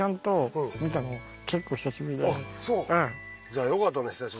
じゃあよかったね